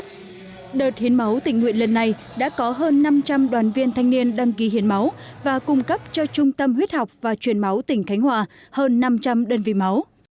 trong đợt hiến máu tình nguyện lần này đã có hơn năm trăm linh đoàn viên thanh niên đăng ký hiến máu và cung cấp cho trung tâm huyết học và chuyển máu tỉnh khánh hòa hơn năm trăm linh đơn vị máu